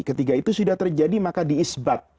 ketika itu sudah terjadi maka diisbat